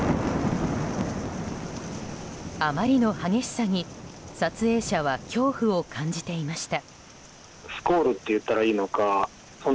あまりの激しさに撮影者は恐怖を感じていました。